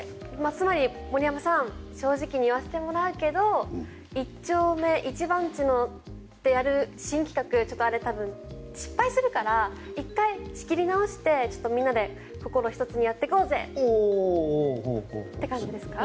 つまり、森山さん正直に言わせてもらうけど一丁目一番地でやる新企画あれちょっと失敗するから一回仕切り直してみんなで心を一つにやっていこうぜ！って感じですか？